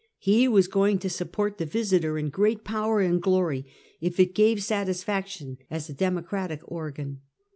He was go ing to support the Yisiter in great power and glory, if it gave satisfaction as a democratic organ.